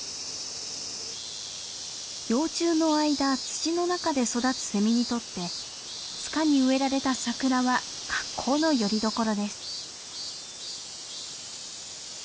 幼虫の間土の中で育つセミにとって塚に植えられたサクラは格好のよりどころです。